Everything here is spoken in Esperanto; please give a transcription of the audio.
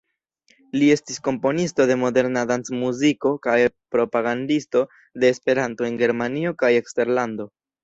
Li estis komponisto de moderna dancmuziko kaj propagandisto de Esperanto en Germanio kaj eksterlando.